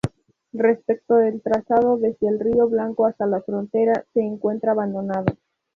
Respecto del trazado desde Río Blanco hasta la frontera, se encuentra abandonado.